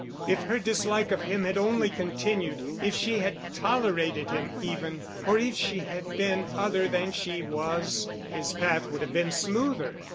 If her dislike of him had only continued, if she had tolerated him, even, or if she had been other than she was, his path would have been smoother.